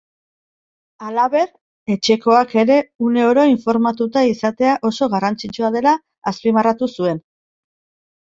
Halaber, etxekoak ere une oro informatuta izatea oso garrantzitsua dela azpimarratu zuen.